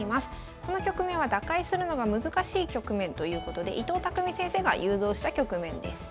この局面は打開するのが難しい局面ということで伊藤匠先生が誘導した局面です。